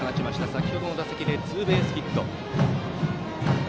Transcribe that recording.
先程の打席でツーベースヒット。